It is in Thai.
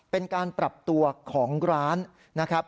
เป็นการปรับตัวของร้าน